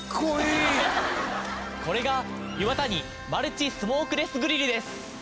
これがイワタニマルチスモークレスグリルです！